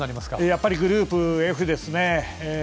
やっぱりグループＦですね。